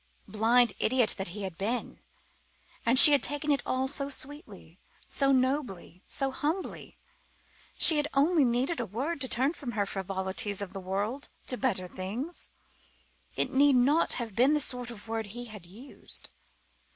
Blind idiot that he had been! And she had taken it all so sweetly, so nobly, so humbly. She had only needed a word to turn her from the frivolities of the world to better things. It need not have been the sort of word he had used.